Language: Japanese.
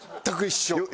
全く一緒。